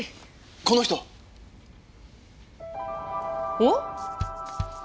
おっ？